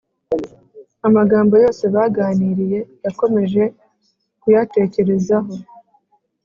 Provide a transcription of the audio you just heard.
amagambo yose baganiriye yakomeje kuyatekerezaho